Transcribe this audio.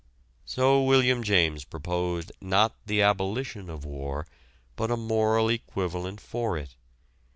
So William James proposed not the abolition of war, but a moral equivalent for it.